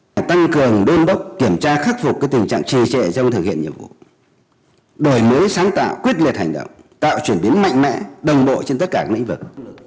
phải tăng cường đôn đốc kiểm tra khắc phục tình trạng trì trệ trong thực hiện nhiệm vụ đổi mới sáng tạo quyết liệt hành động tạo chuyển biến mạnh mẽ đồng bộ trên tất cả các lĩnh vực